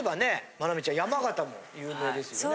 マナミちゃん山形も有名ですよね？